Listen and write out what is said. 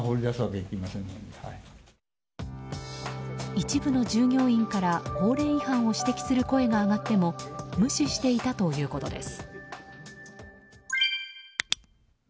一部の従業員から、法令違反を指摘する声が上がっても無視していたということです。